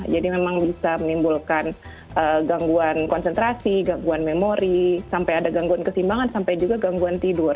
jadi memang bisa menimbulkan gangguan konsentrasi gangguan memori sampai ada gangguan kesimbangan sampai juga gangguan tidur